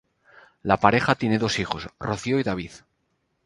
La pareja tiene dos hijos: Rocío y David.